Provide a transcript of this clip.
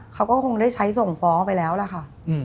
เขาก็คงได้ใช้ส่งฟ้องไปแล้วล่ะค่ะ